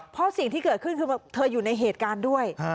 เพราะสิ่งที่เกิดขึ้นคือเธออยู่ในเหตุการณ์ด้วย